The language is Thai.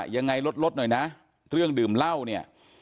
ยังไงลดลดหน่อยนะเรื่องดื่มเหล้าเนี่ย